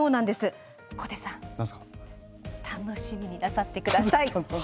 小手さん楽しみになさってください。